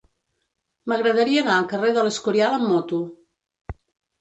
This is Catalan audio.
M'agradaria anar al carrer de l'Escorial amb moto.